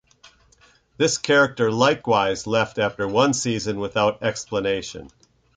This character likewise left after one season without explanation.